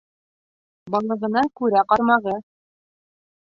Балығына күрә ҡармағы.